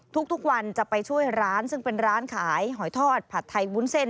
ทุกวันจะไปช่วยร้านซึ่งเป็นร้านขายหอยทอดผัดไทยวุ้นเส้น